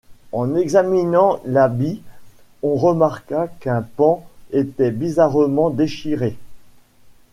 En examinant l’habit, on remarqua qu’un pan était bizarrement déchiré.